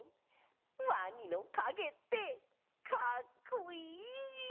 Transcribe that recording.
ワニのかげってかっこいい！